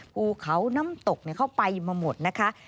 ภูเขาน้ำตกเข้าไปมาหมดนะคะ